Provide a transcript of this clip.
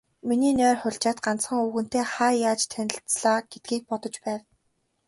Миний нойр хулжаад, ганцхан, өвгөнтэй хаа яаж танилцлаа гэдгийг бодож байв.